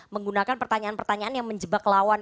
menggunakan pertanyaan pertanyaan yang menjebak lawan